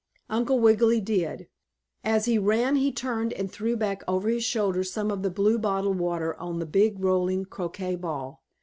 Uncle Wiggily did. As he ran he turned and threw back over his shoulder some of the blue bottle water on the big rolling croquet ball.